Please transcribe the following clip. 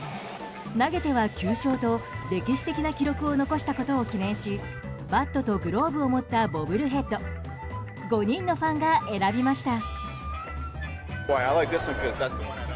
投げては９勝と歴史的な記録を残したことを記念しバットとグローブを持ったボブルヘッド５人のファンが選びました。